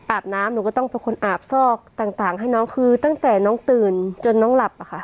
อาบน้ำหนูก็ต้องเป็นคนอาบซอกต่างให้น้องคือตั้งแต่น้องตื่นจนน้องหลับอะค่ะ